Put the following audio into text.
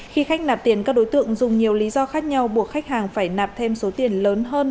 khi khách nạp tiền các đối tượng dùng nhiều lý do khác nhau buộc khách hàng phải nạp thêm số tiền lớn hơn